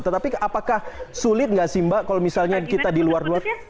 tetapi apakah sulit nggak sih mbak kalau misalnya kita di luar luar